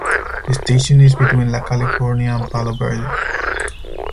The station is between La California and Palo Verde.